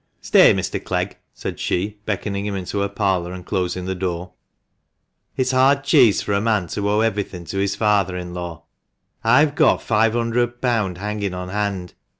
" Stay, Mr. Clegg," said she, beckoning him into her parlour, and closing the door. " It's hard cheese for a man to owe everything to his father in law. I've got £500 hanging on hand.